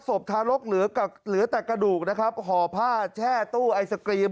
ศพทารกเหลือแต่กระดูกห่อผ้าแช่ตู้ไอร์สกรีม